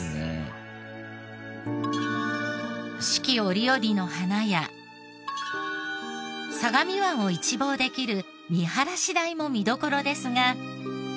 四季折々の花や相模湾を一望できる見晴台も見どころですが。